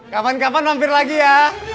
kapan kapan mampir lagi ya